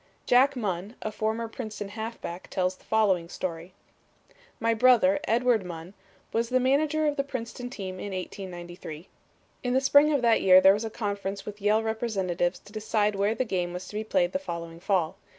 Jack Munn, a former Princeton halfback, tells the following story: "My brother, Edward Munn, was the manager of the Princeton team in 1893. In the spring of that year there was a conference with Yale representatives to decide where the game was to be played the following fall.